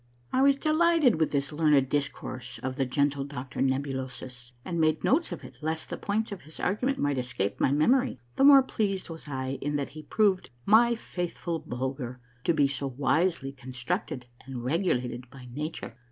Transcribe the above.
I was delighted with this learned discourse of the gentle Doctor Nebulosus, and made notes of it lest the points of his argument might escape my memory, the more pleased was I in that he proved my faithful Bulger to be so wisely constructed and regulated by nature.